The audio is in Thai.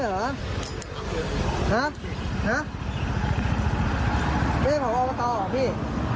คุณแหละของอาวาตหน้าบุตรไหลหามเว้นดี